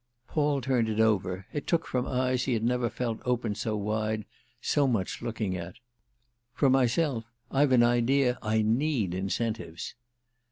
Paul turned it over: it took, from eyes he had never felt open so wide, so much looking at. "For myself I've an idea I need incentives."